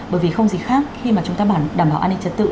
bởi vì không gì khác khi chúng ta đảm bảo an ninh trật tự